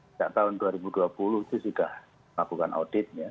sejak tahun dua ribu dua puluh itu sudah melakukan audit ya